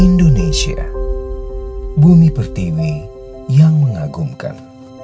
indonesia bumi pertiwi yang mengagumkan